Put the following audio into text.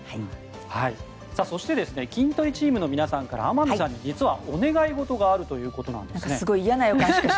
そしてキントリチームの皆さんから天海さんに実はお願い事があるということなんですね。